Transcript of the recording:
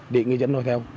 để người dân nói theo